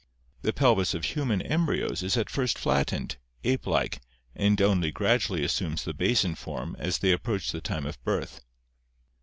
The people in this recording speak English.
The pelvis of human embryos is at first flattened, ape like, and only gradually assumes the basin form as they ap proach the time of birth.